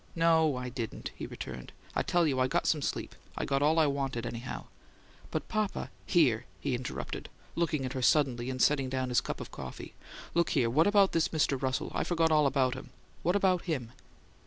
"No, I didn't," he returned. "I tell you I got some sleep. I got all I wanted anyhow." "But, papa " "Here!" he interrupted, looking up at her suddenly and setting down his cup of coffee. "Look here! What about this Mr. Russell? I forgot all about him. What about him?"